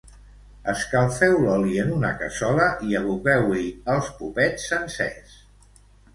Escalfeu l'oli en una cassola i aboqueu-hi els popets sencers.